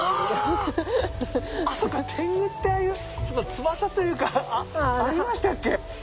あそうか天狗ってああいう翼というかありましたっけ？